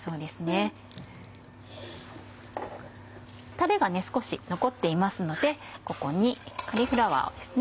タレが少し残っていますのでここにカリフラワーですね。